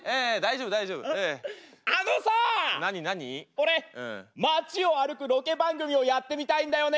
俺街を歩くロケ番組をやってみたいんだよね。